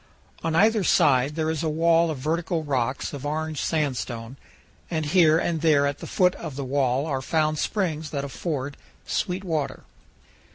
On either side there is a wall of vertical rock of orange sandstone, and here and there at the foot of the wall are found springs that afford sweet water.